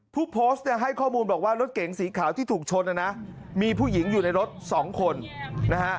ผู้โพสต์เนี่ยให้ข้อมูลบอกว่ารถเก๋งสีขาวที่ถูกชนนะนะมีผู้หญิงอยู่ในรถสองคนนะฮะ